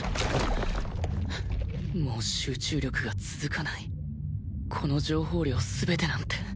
もう集中力が続かないこの情報量全てなんて